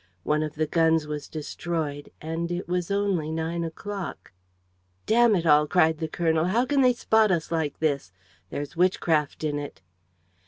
One of the guns was destroyed. And it was only nine o'clock. "Damn it all!" cried the colonel. "How can they spot us like this? There's witchcraft in it."